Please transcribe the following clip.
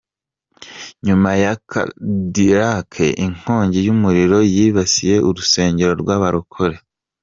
Nyuma ya kadilake inkongi y’umuriro yibasiye urusengero rwabarokore